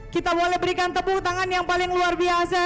kita boleh berikan tepuk tangan yang paling luar biasa